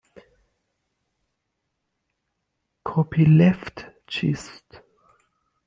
کپی لفت چیست؟